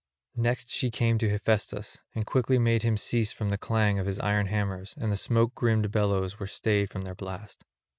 Next she came to Hephaestus, and quickly made him cease from the clang of his iron hammers; and the smoke grimed bellows were stayed from their blast.